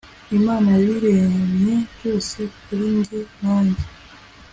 imana yabiremye byose kuri njye nanjye